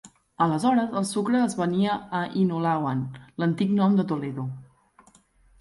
Aleshores, el sucre es venia a Hinulawan, l'antic nom de Toledo.